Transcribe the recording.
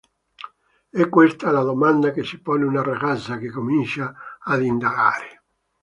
È questa la domanda che si pone una ragazza che comincia ad indagare.